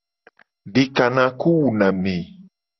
Dikanaku wuna ame.